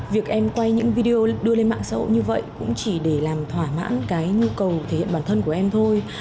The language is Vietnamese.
việc em quay những video đưa lên mạng xã hội như vậy cũng chỉ để làm thỏa mãn cái nhu cầu thể hiện bản thân của em thôi